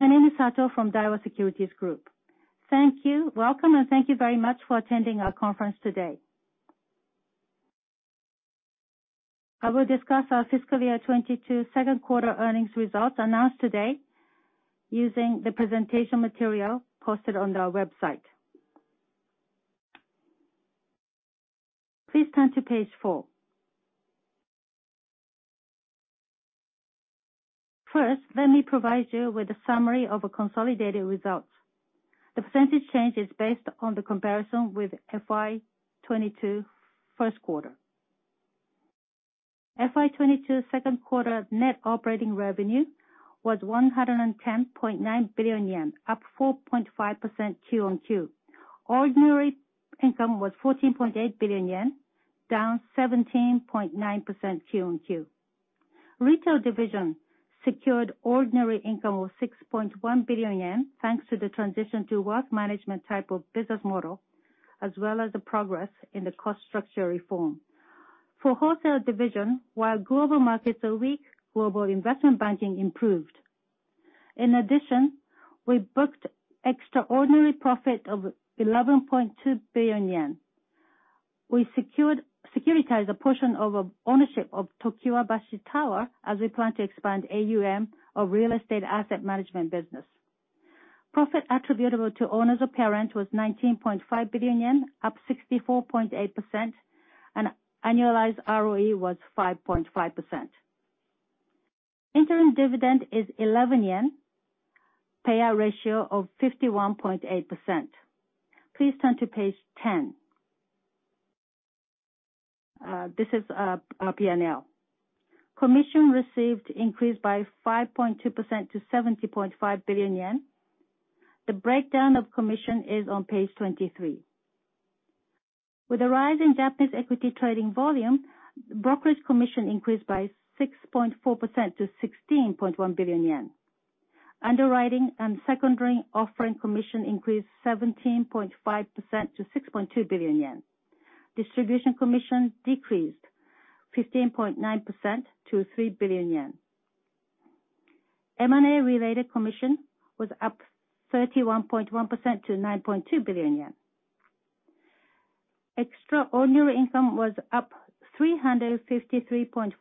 My name is Eiji Sato from Daiwa Securities Group. Thank you. Welcome and thank you very much for attending our conference today. I will discuss our fiscal year 2022 second quarter earnings results announced today using the presentation material posted on our website. Please turn to page four. First, let me provide you with a summary of our consolidated results. The percentage change is based on the comparison with FY2022 first quarter. FY2022 second quarter net operating revenue was 110.9 billion yen, up 4.5% Q-on-Q. Ordinary income was 14.8 billion yen, down 17.9% Q-on-Q. Retail division secured ordinary income of 6.1 billion yen, thanks to the transition to wealth management type of business model, as well as the progress in the cost structure reform. For wholesale division, while global markets are weak, global investment banking improved. In addition, we booked extraordinary profit of 11.2 billion yen. We securitized a portion of a ownership of Tokiwabashi Tower as we plan to expand AUM, our real estate asset management business. Profit attributable to owners of parent was 19.5 billion yen, up 64.8%, and annualized ROE was 5.5%. Interim dividend is 11 yen, payout ratio of 51.8%. Please turn to page 10. This is our P&L. Commission received increased by 5.2% to 70.5 billion yen. The breakdown of commission is on page 23. With a rise in Japanese equity trading volume, brokerage commission increased by 6.4% to 16.1 billion yen. Underwriting and secondary offering commission increased 17.5% to 6.2 billion yen. Distribution commission decreased 15.9% to 3 billion yen. M&A related commission was up 31.1% to 9.2 billion yen. Extraordinary income was up 353.5%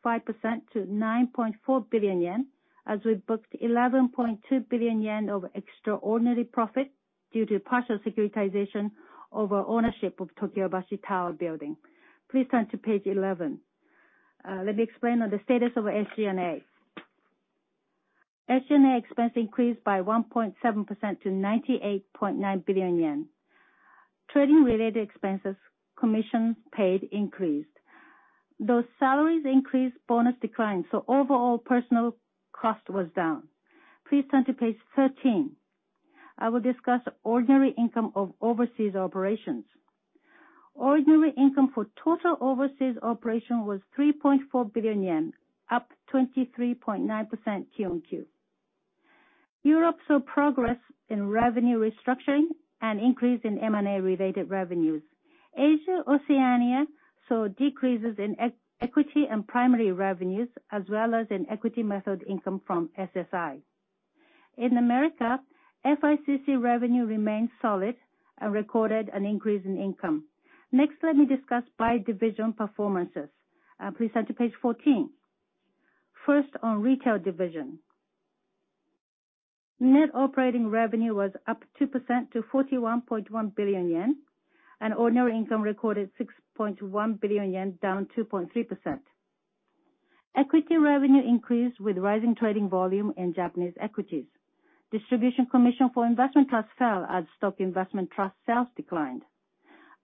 to 9.4 billion yen, as we booked 11.2 billion yen of extraordinary profit due to partial securitization over ownership of Tokiwabashi Tower building. Please turn to page 11. Let me explain on the status of SG&A. SG&A expense increased by 1.7% to 98.9 billion yen. Trading-related expenses, commissions paid increased. Though salaries increased, bonus declined, so overall personal cost was down. Please turn to page 13. I will discuss ordinary income of overseas operations. Ordinary income for total overseas operation was 3.4 billion yen, up 23.9% Q-on-Q. Europe saw progress in revenue restructuring and increase in M&A related revenues. Asia, Oceania saw decreases in equity and primary revenues as well as in equity method income from SSI. In America, FICC revenue remained solid and recorded an increase in income. Next, let me discuss by division performances. Please turn to page 14. First on Retail division. Net operating revenue was up 2% to 41.1 billion yen, and ordinary income recorded 6.1 billion yen, down 2.3%. Equity revenue increased with rising trading volume in Japanese equities. Distribution commission for investment trust fell as stock investment trust sales declined.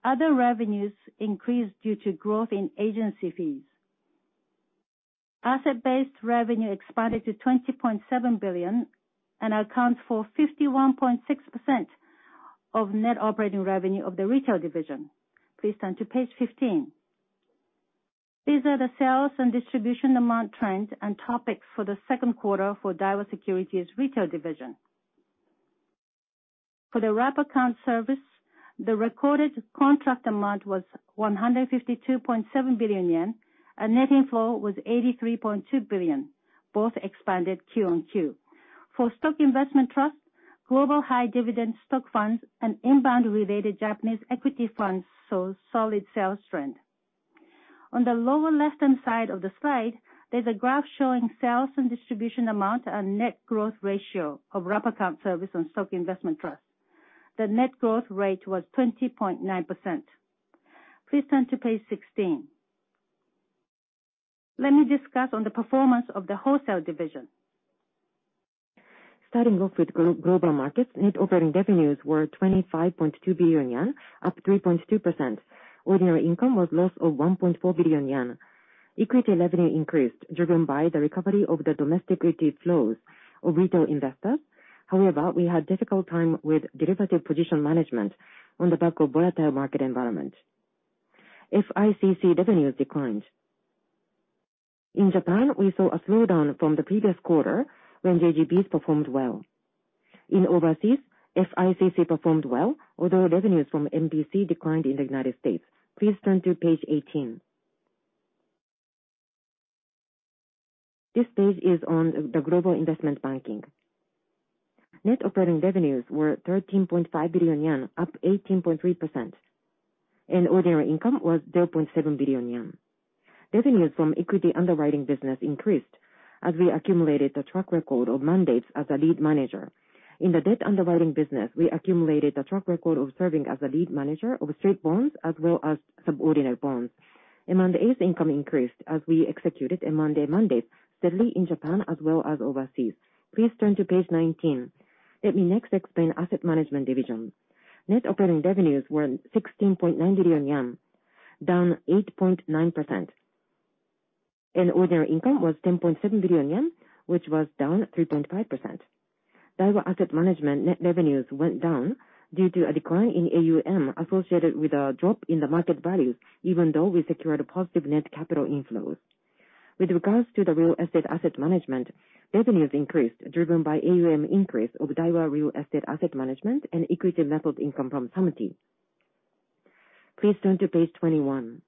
Other revenues increased due to growth in agency fees. Asset-based revenue expanded to JPY 20.7 billion and accounts for 51.6% of net operating revenue of the Retail division. Please turn to page 15. These are the sales and distribution amount trends and topics for the second quarter for Daiwa Securities Retail division. For the Wrap account service, the recorded contract amount was 152.7 billion yen, and net inflow was 83.2 billion, both expanded Q-on-Q. For Stock Investment Trust, global high dividend stock funds and inbound related Japanese equity funds saw solid sales trend. On the lower left-hand side of the slide, there's a graph showing sales and distribution amount and net growth ratio of Wrap account service on Stock Investment Trust. The net growth rate was 20.9%. Please turn to page 16. Let me discuss on the performance of the Wholesale division. Starting off with global markets, net operating revenues were 25.2 billion yen, up 3.2%. Ordinary income was loss of 1.4 billion yen. Equity revenue increased, driven by the recovery of the domestic equity flows of retail investors. However, we had difficult time with derivative position management on the back of volatile market environment. FICC revenues declined. In Japan, we saw a slowdown from the previous quarter when JGBs performed well. In overseas, FICC performed well, although revenues from MBS declined in the United States. Please turn to page 18. This page is on the global investment banking. Net operating revenues were 13.5 billion yen, up 18.3%, and ordinary income was 0.7 billion yen. Revenues from equity underwriting business increased as we accumulated a track record of mandates as a lead manager. In the debt underwriting business, we accumulated a track record of serving as a lead manager of straight bonds as well as subordinate bonds. Mandates income increased as we executed M&A mandates steadily in Japan as well as overseas. Please turn to page 19. Let me next explain asset management division. Net operating revenues were 16.9 billion yen, down 8.9%. Ordinary income was 10.7 billion yen, which was down 3.5%. Daiwa Asset Management net revenues went down due to a decline in AUM associated with a drop in the market value, even though we secured a positive net capital inflows. With regards to the real estate asset management, revenues increased, driven by AUM increase of Daiwa Real Estate Asset Management and equity method income from Samty. Please turn to page 21.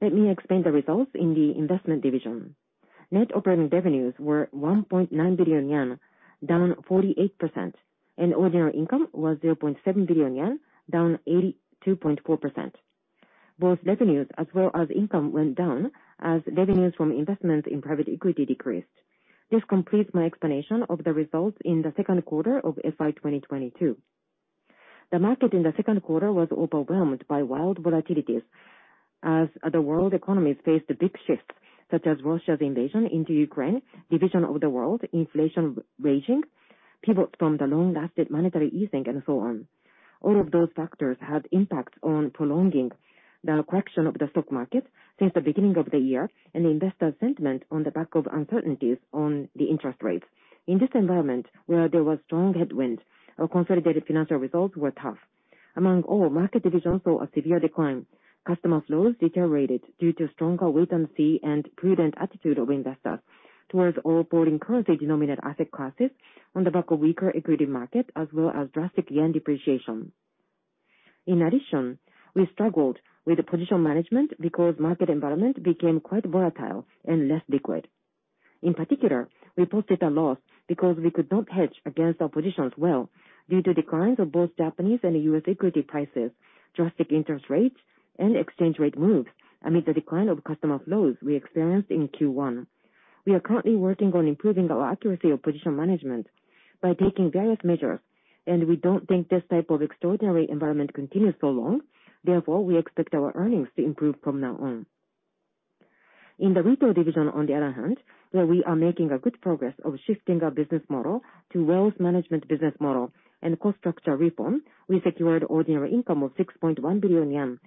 Let me explain the results in the investment division. Net operating revenues were 1.9 billion yen, down 48%, and ordinary income was 0.7 billion yen, down 82.4%. Both revenues as well as income went down as revenues from investments in private equity decreased. This completes my explanation of the results in the second quarter of FY2022. The market in the second quarter was overwhelmed by wild volatilities as the world economies faced a big shift, such as Russia's invasion into Ukraine, division of the world, inflation raging, pivot from the long-lasting monetary easing, and so on. All of those factors had impact on prolonging the correction of the stock market since the beginning of the year and the investor sentiment on the back of uncertainties on the interest rates. In this environment where there was strong headwinds, our consolidated financial results were tough. Among all, market divisions saw a severe decline. Customer flows deteriorated due to stronger wait-and-see and prudent attitude of investors towards all foreign currency-denominated asset classes on the back of weaker equity market as well as drastic yen depreciation. In addition, we struggled with the position management because market environment became quite volatile and less liquid. In particular, we posted a loss because we could not hedge against our positions well due to declines of both Japanese and US equity prices, drastic interest rate moves, and exchange rate moves amid the decline of customer flows we experienced in Q1. We are currently working on improving our accuracy of position management by taking various measures, and we don't think this type of extraordinary environment continues so long. Therefore, we expect our earnings to improve from now on. In the retail division, on the other hand, where we are making a good progress of shifting our business model to wealth management business model and cost structure reform, we secured ordinary income of 6.1 billion yen.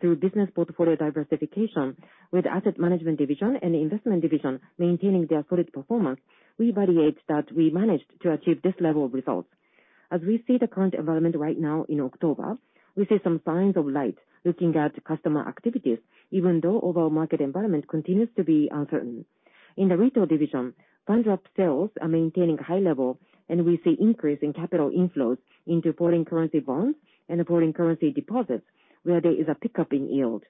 Through business portfolio diversification with asset management division and investment division maintaining their solid performance, we varied that we managed to achieve this level of results. As we see the current environment right now in October, we see some signs of light looking at customer activities, even though overall market environment continues to be uncertain. In the retail division, fund wrap sales are maintaining high level, and we see increase in capital inflows into foreign currency bonds and foreign currency deposits where there is a pickup in yield.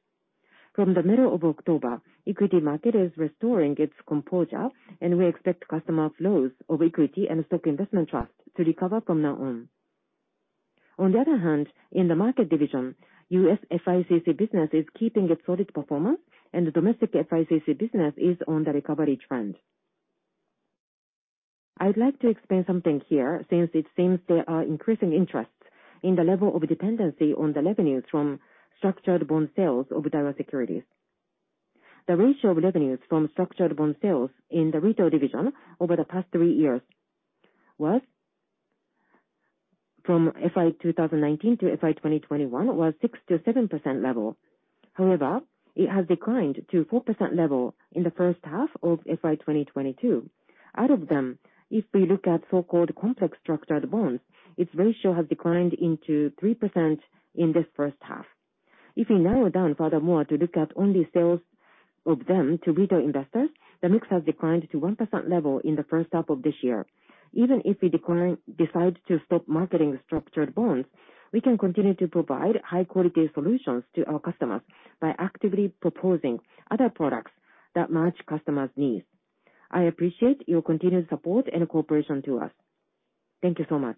From the middle of October, equity market is restoring its composure, and we expect customer flows of equity and Stock Investment Trust to recover from now on. On the other hand, in the market division, U.S. FICC business is keeping its solid performance and domestic FICC business is on the recovery trend. I'd like to explain something here since it seems there are increasing interest in the level of dependency on the revenues from structured bond sales of Daiwa Securities. The ratio of revenues from structured bond sales in the retail division over the past three years was from FY2019 to FY2021 was 6%-7% level. However, it has declined to 4% level in the first half of FY2022. Out of them, if we look at so-called complex structured bonds, its ratio has declined to 3% in this first half. If we narrow it down furthermore to look at only sales of them to retail investors, the mix has declined to 1% level in the first half of this year. Even if we decide to stop marketing structured bonds, we can continue to provide high-quality solutions to our customers by actively proposing other products that match customers' needs. I appreciate your continued support and cooperation to us. Thank you so much.